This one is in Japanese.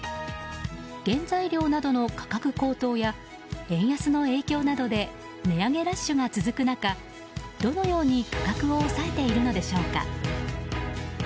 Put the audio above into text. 原材料などの価格高騰や円安の影響などで値上げラッシュが続く中どのように価格を抑えているのでしょうか。